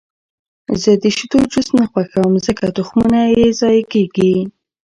زه د شیدو جوس نه خوښوم، ځکه تخمونه یې ضایع کېږي.